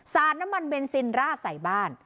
น้ำมันเบนซินราดใส่บ้าน